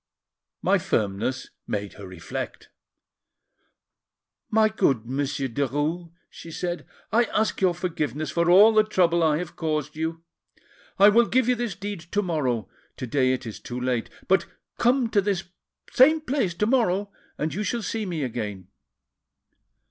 My firmness made her reflect. 'My good Monsieur Derues,' she said, 'I ask your forgiveness for all the trouble I have caused you. I will give you this deed to morrow, to day it is too late; but come to this same place to morrow, and you shall see me again.